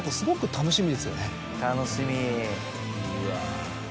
楽しみ。